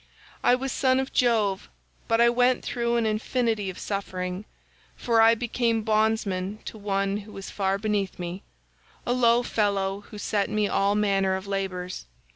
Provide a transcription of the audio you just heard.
I was son of Jove, but I went through an infinity of suffering, for I became bondsman to one who was far beneath me—a low fellow who set me all manner of labours.